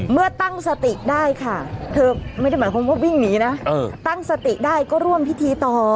เมื่อตั้งสติได้ค่ะเธอไม่ได้หมายความว่าวิ่งหนีนะตั้งสติได้ก็ร่วมพิธีต่อ